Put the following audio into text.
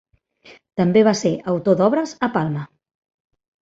També va ser autor d'obres a Palma.